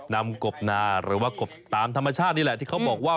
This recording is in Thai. กบนาหรือว่ากบตามธรรมชาตินี่แหละที่เขาบอกว่า